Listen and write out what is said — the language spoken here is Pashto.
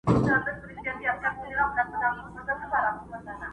راوړي دي و یار ته یار لېمه شراب شراب،